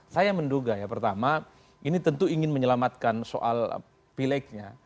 saya menduga ya pertama ini tentu ingin menyelamatkan soal pileknya